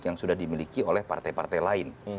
yang sudah dimiliki oleh partai partai lain